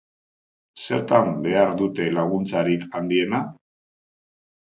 Zertan behar dute laguntzarik handiena?